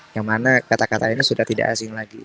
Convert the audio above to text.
yang mana kata katanya sudah tidak asing lagi